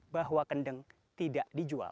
bahwa kendeng tidak dijual